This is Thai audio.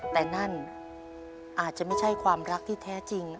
แต่นั่นอาจจะไม่ใช่ความรักที่แท้จริง